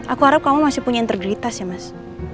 aku harap kamu masih punya integritas ya mas